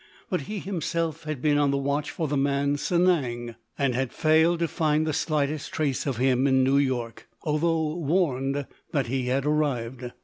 But he, himself, had been on the watch for the man Sanang; and had failed to find the slightest trace of him in New York, although warned that he had arrived.